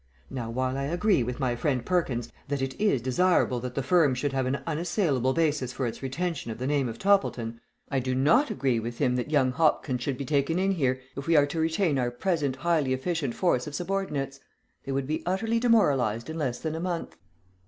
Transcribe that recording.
Now, while I agree with my friend Perkins that it is desirable that the firm should have an unassailable basis for its retention of the name of Toppleton, I do not agree with him that young Hopkins should be taken in here if we are to retain our present highly efficient force of subordinates. They would be utterly demoralized in less than a month."